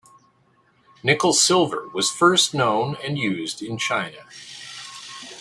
Nickel silver was first known and used in China.